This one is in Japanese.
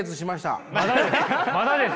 まだです。